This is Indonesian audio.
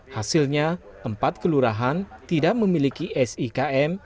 hasilnya empat kelurahan tidak memiliki sikm